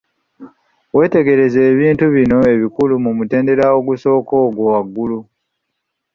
Weetegereze ebintu bino ebikulu mu mutendera ogusooka ogwo waggulu.